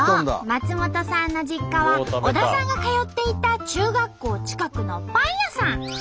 松本さんの実家は小田さんが通っていた中学校近くのパン屋さん。